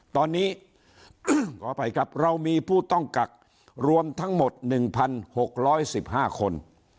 ตอนนี้ขออภัยครับเรามีผู้ต้องกักรวมทั้งหมดหนึ่งพันหกร้อยสิบห้าคน